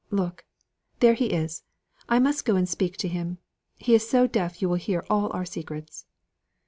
Look there he is I must go and speak to him. He is so deaf you will hear all our secrets."